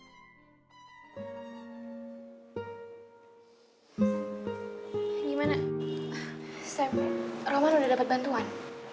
gimana sam roman udah dapet bantuan